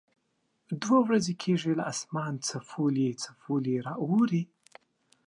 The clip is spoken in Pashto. دوه ورځې کېږي له اسمانه څپولی څپولی را اوري.